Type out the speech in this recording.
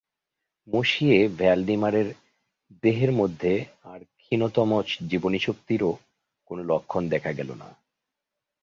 মঁশিয়ে ভ্যালডিমারের দেহের মধ্যে আর ক্ষীণতম জীবনীশক্তিরও কোনো লক্ষণ দেখা গেল না।